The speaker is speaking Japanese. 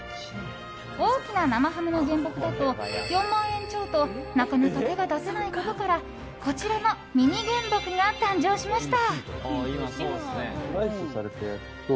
大きな生ハムの原木だと４万円超となかなか手が出せないことからこちらのミニ原木が誕生しました。